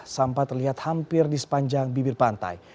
sampah terlihat hampir di sepanjang bibir pantai